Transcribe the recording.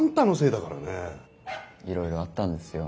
いろいろあったんですよ。